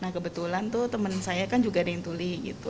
nah kebetulan tuh temen saya kan juga ada yang tuli gitu